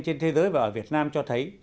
trên thế giới và ở việt nam cho thấy